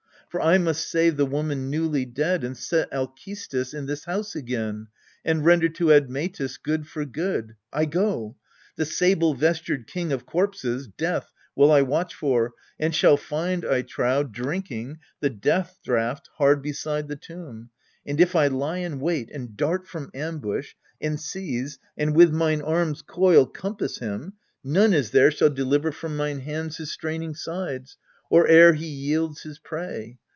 For I must save the woman newly dead, And set Alcestis in this house again, And render to Admetus good for good. I go. The sable vestured King of Corpses, Death, will I watch for, and shall find, I trow, Drinking the death draught hard beside the tomb. And if I lie in, wait, and dart from ambush, And seize, and with mine arms' coil compass him, None is there shall deliver from mine hands His straining sides, or e'er he yields his prey.